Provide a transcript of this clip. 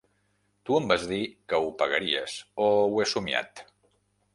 Tu em vas dir que ho pagaries o ho he somiat?